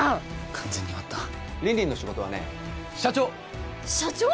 完全に終わったリンリンの仕事はね社長社長！？